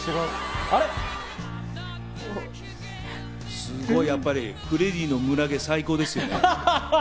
すごいやっぱり、フレディの胸毛、最高ですよね。